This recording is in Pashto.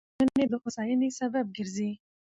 خدمت د ټولنې د هوساینې سبب ګرځي.